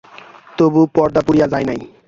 তবু পর্দা পুড়িয়া যায় নাই।